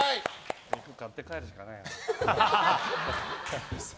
肉買って帰るしかないな。